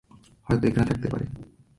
হয়তো এখানে থাকতে পারে।